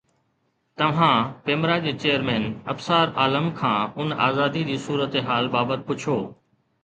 توهان پيمرا جي چيئرمين ابصار عالم کان ان آزادي جي صورتحال بابت پڇو